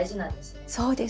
そうです。